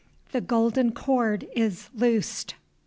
THE GOLDEN CORD IS LOOSED.